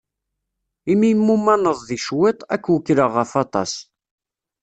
Imi i mumaneḍ di cwiṭ, ad k-wekkleɣ ɣef waṭas.